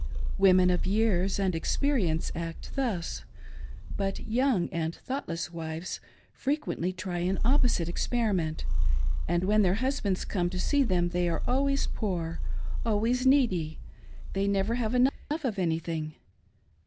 Women of years and experience act thus ; but young and thoughtless wives frequently try an opposite experiment, and when their husbands come to see them they are always poor, always needy — they never have enough of anything.